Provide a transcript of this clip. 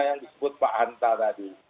yang disebut pak hanta tadi